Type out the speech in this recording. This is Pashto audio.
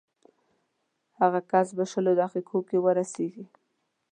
هغه کس به شل دقیقو کې ورسېږي.